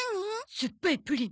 酸っぱいプリン。